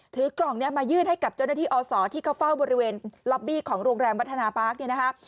กล่องนี้มายื่นให้กับเจ้าหน้าที่อศที่เขาเฝ้าบริเวณล็อบบี้ของโรงแรมวัฒนาปาร์คเนี่ยนะคะ